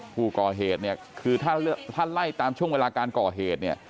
ผู้ก่อเหตุเนี่ยคือถ้าไล่ตามช่วงเวลาการก่อเหตุเนี่ย